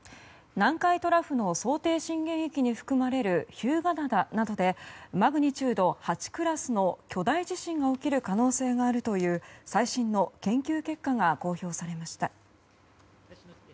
南海トラフの想定震源域に含まれる日向灘などでマグニチュード８クラスの巨大地震が起きる可能性があるという最新の研究結果が公表されました。